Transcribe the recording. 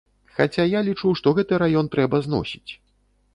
Хаця, я лічу, што гэты раён трэба зносіць.